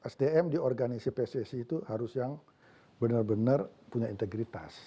sdm di organisasi pssi itu harus yang benar benar punya integritas